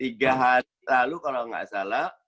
tiga hari lalu kalau nggak salah